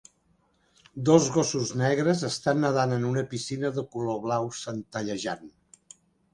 Dos gossos negres estan nedant en una piscina de color blau centellejant.